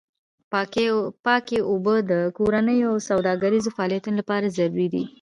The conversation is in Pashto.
پاکې اوبه د کورنیو او سوداګریزو فعالیتونو لپاره ضروري دي.